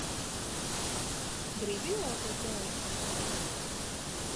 Gribi ieelpot gaisu?